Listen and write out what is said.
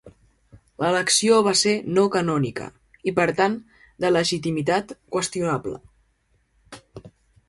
L'elecció va ser no canònica i per tant, de legitimitat qüestionable.